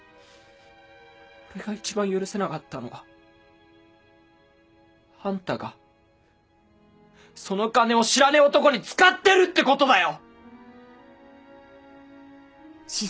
俺が一番許せなかったのはあんたがその金を知らねえ男に使ってるってことだよ！